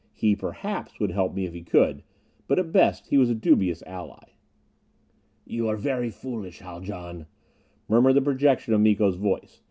He, perhaps, would help me if he could. But, at best, he was a dubious ally. "You are very foolish, Haljan," murmured the projection of Miko's voice.